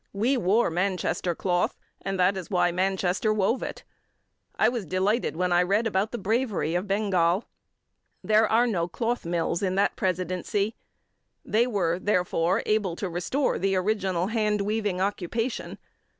We wore Manchester cloth, and that is why Manchester wove it. I was delighted when I read about the bravery of Bengal. There are no cloth mills in that Presidency. They were, therefore, able to restore the original hand weaving occupation.